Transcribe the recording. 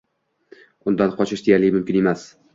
Undan qochish deyarli mumkin emas